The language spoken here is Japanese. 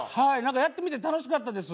やってみて楽しかったです。